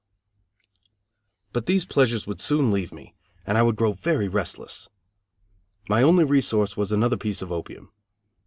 But these pleasures would soon leave me, and I would grow very restless. My only resource was another piece of opium.